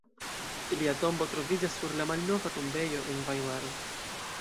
Lia tombo troviĝas sur la Malnova tombejo en Vajmaro.